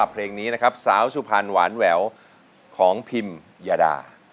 เพลงนี้นะครับสาวสุพรรณหวานแหววของพิมยาดา